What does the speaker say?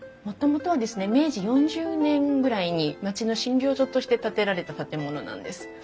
もともとは明治４０年ぐらいに町の診療所として建てられた建物なんです。